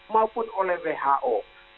maupun oleh who